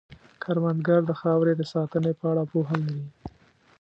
کروندګر د خاورې د ساتنې په اړه پوهه لري